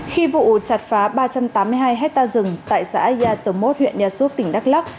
khi vụ chặt phá ba trăm tám mươi hai hectare rừng tại xã yatomot huyện yasup tỉnh đắk lắc